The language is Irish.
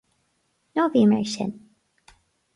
Ná bí mar sin.